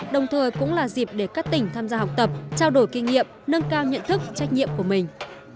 đồng thời cũng là dịp để các tỉnh tham gia học tập trao đổi kinh nghiệm nâng cao nhận thức trách nhiệm của mình